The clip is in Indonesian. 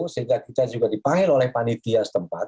sehingga kita juga dipanggil oleh panitia setempat